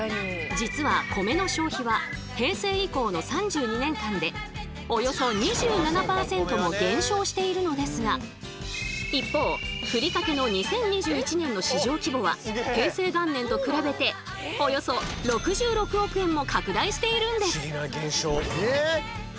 実は米の消費は平成以降の３２年間でおよそ２７％も減少しているのですが一方ふりかけの２０２１年の市場規模は平成元年と比べておよそ６６億円も拡大しているんです。